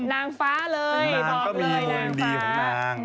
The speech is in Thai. นางฟ้าเลยบอกเลยนางฟ้านางก็มีคนดีของนาง